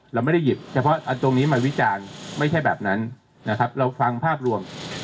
เราไม่ได้หยิบเฉพาะอันตรงนี้มาวิจารณ์ไม่ใช่แบบนั้นนะครับเราฟังภาพรวม